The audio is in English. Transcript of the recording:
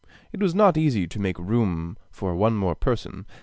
It was not easy to make room for one more person.